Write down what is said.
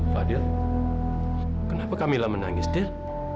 fadil kenapa kamila menangis dil